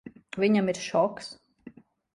Viņam ir šoks.